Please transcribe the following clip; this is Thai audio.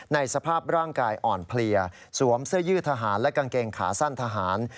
ในสภาพร่างกายอ่อนเพลียสวมเสื้อยืดทหารและกางเกงขาสั้นทหาร